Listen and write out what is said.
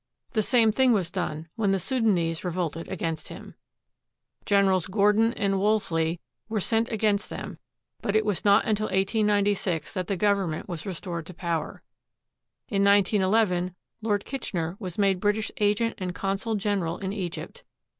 The same thing was done when the Soudanese revolted against him. Generals Gordon and Wolseley were sent against them; but it was not until 1896 that the Government was restored to power. In 1911, Lord Kitchener was made British agent and consul general in Egj^Dt.